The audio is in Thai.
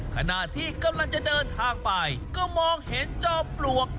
ขณะที่กำลังจะเดินทางไปก็มองเห็นจอมปลวก